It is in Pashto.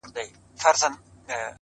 • ځيني خلک ستاينه کوي,